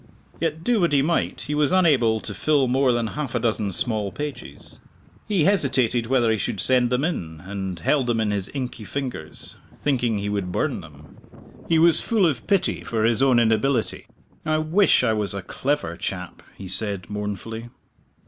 Yet, do what he might, he was unable to fill more than half a dozen small pages. He hesitated whether he should send them in, and held them in his inky fingers, thinking he would burn them. He was full of pity for his own inability. "I wish I was a clever chap," he said mournfully.